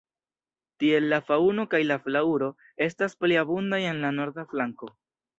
Tiel la faŭno kaj la flaŭro estas pli abundaj en la norda flanko.